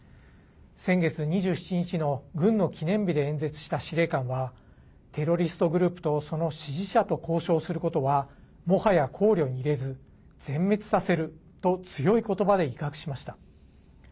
先月２７日の軍の記念日で演説した司令官はテロリストグループとその支持者と交渉することはもはや考慮に入れず全滅させると強いことばで威嚇しました。